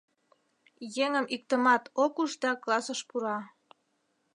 Еҥым иктымат ок уж да классыш пура.